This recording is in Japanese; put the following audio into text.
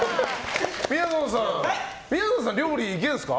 みやぞんさん料理いけるんですか？